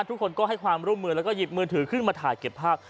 ทุกคนก็ให้ความร่วมมือแล้วก็หยิบมือถือขึ้นมาถ่ายเก็บภาพ